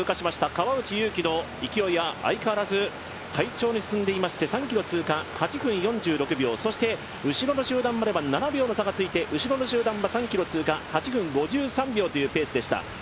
川内優輝の勢いは相変わらず快調に進んでいまして、３ｋｍを通過８分４６秒、そして後ろの集団までは７秒の差がついて後ろの集団３ｋｍ通過８分５３秒というペースでした。